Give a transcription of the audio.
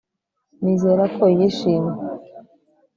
Nizera ko yishimye